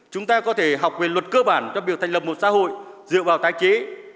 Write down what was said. chúng ta có thể học về luật cơ bản cho việc thành lập một xã hội dựa vào tái chế